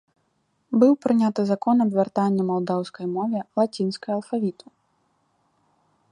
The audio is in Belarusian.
Быў прыняты закон аб вяртанні малдаўскай мове лацінскай алфавіту.